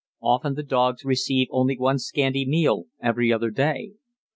Often the dogs receive only one scanty meal every other day.